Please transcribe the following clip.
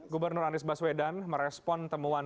gubernur anies baswedan merespon temuan